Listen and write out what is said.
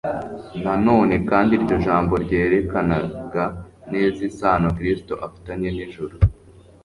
Na none kandi iryo jambo ryerekanaga neza isano Kristo afitanye n'ijuru.